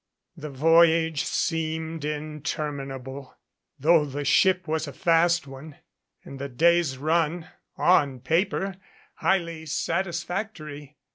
The voyage seemed interminable, though the ship was a fast one, and the day's run (on paper) highly satisfac tory.